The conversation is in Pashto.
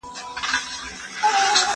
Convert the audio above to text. زه کتابتوننۍ سره وخت تېروولی دی؟